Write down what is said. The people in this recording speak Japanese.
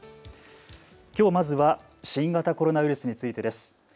きょう、まずは新型コロナウイルスについてです。